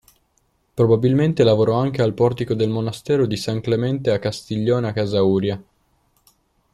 Probabilmente lavorò anche al portico del monastero di San Clemente a Castiglione a Casauria.